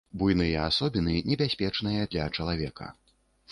Буйныя асобіны небяспечныя для чалавека.